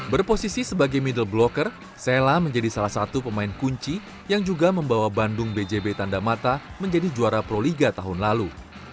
berposisi sebagai middle blocker sella menjadi salah satu pemain kunci yang juga membawa bandung bjb tandamata menjadi juara proliga tahun lalu